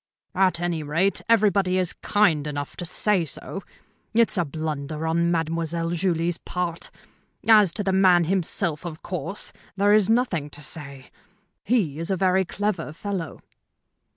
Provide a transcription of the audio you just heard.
"At any rate, everybody is kind enough to say so. It's a blunder on Mademoiselle Julie's part. As to the man himself, of course, there is nothing to say. He is a very clever fellow."